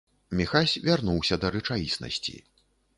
Міхась вярнуўся да рэчаіснасці.